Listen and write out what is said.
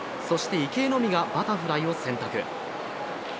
そして池江のみがバタフライを選択。